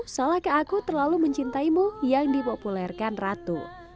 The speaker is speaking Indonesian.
salahkah aku terlalu mencintaimu yang dipopulerkan ratu